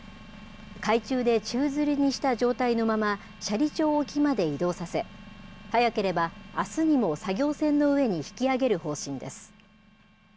海中で宙づりにした状態のまま、斜里町沖まで移動させ、早ければ、あすにも作業船の上に引き揚げる方針です。